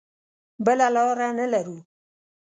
بله لاره نه لرو.